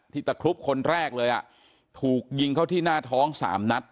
ตะครุบคนแรกเลยอ่ะถูกยิงเข้าที่หน้าท้อง๓นัด